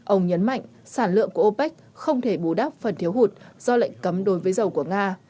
ông nhấn mạnh sản lượng của opec không thể bù đắp phần thiếu hụt do lệnh cấm đối với dầu của nga